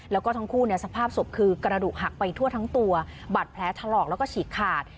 แล้วก็ทั้งคู่สภาพศพคือกระดูกหักไปทั่วทั้งตัวบัตรแผลถลอกแล้วก็ฉีกขาด